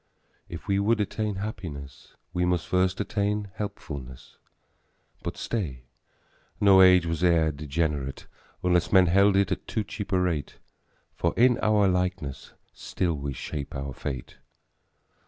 If we would attain happiness, We must first attain helpfulness. But stay! no age was e'er degenerate Unless men held it at too cheap a rate, For in our likeness still we shape our fate.